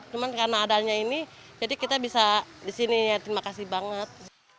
cuma karena adanya ini jadi kita bisa disini ya terima kasih banget